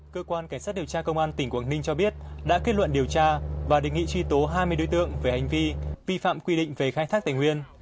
cơ quan cảnh sát điều tra công an tỉnh quảng ninh cho biết đã kết luận điều tra và đề nghị truy tố hai mươi đối tượng về hành vi vi phạm quy định về khai thác tài nguyên